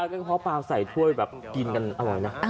เฉพาะปลาใส่ถ้วยแบบกินกันอร่อยนะ